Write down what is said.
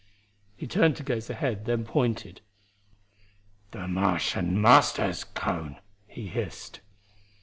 He turned to gaze ahead, then pointed. "The Martian Master's cone," he hissed.